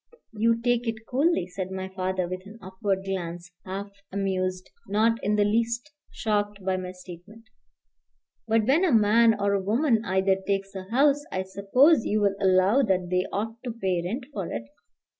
"You take it coolly," said my father, with an upward glance, half amused, not in the least shocked by my statement. "But when a man, or a woman either, takes a house, I suppose you will allow that they ought to pay rent for it."